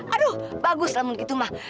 aduh bagus lah begitu mah